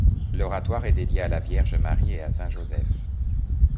L'oratoire est dédié à la Vierge Marie et à saint Joseph.